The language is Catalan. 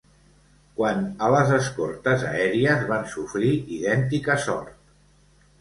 Quant a les escortes aèries van sofrir idèntica sort.